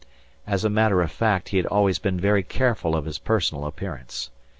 As a matter of fact he had been always very careful of his personal appearance.